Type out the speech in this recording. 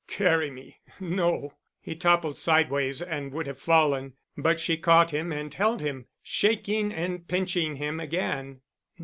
"Carry me—no——" He toppled sideways and would have fallen, but she caught him and held him, shaking and pinching him again.